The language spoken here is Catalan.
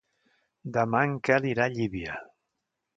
Demà en Quel irà a Llívia.